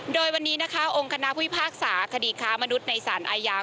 โดยวันนี้นะคะองค์คณะพิพากษาคดีค้ามนุษย์ในสารอาญา